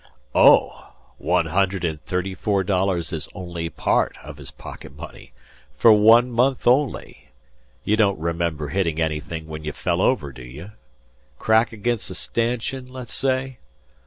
"Oh! One hundred and thirty four dollars is only part of his pocket money for one month only! You don't remember hittin' anything when you fell over, do you? Crack agin a stanchion, le's say.